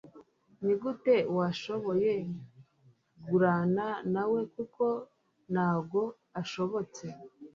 Nigute washoboye gurana nawe kuko nago ashobotse